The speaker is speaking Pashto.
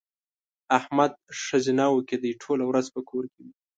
احمد ښځنوکی دی؛ ټوله ورځ په کور کې وي.